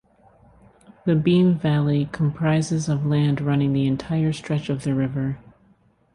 The Beam Valley comprises of land running the entire stretch of the river.